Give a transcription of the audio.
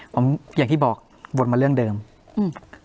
ผมอย่างที่บอกวนมาเรื่องเดิมอืม